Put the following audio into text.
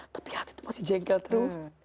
tapi hati itu masih jengkel terus